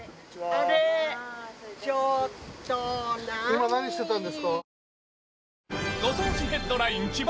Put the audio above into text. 今何してたんですか？